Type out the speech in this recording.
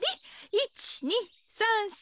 １２３４